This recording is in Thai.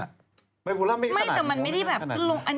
แต่มันไม่ได้ขนาดขึ้นลงอันนี้น่าจะเป็นไบโพล่อเองหรือเปล่า